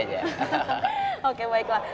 hahaha oke baiklah